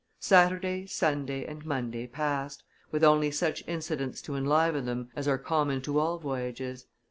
Saturday, Sunday, and Monday passed, with only such incidents to enliven them as are common to all voyages.